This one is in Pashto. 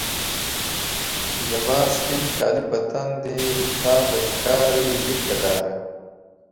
زما سپین کالي په تن دي، تا ته ښکاري لکه داره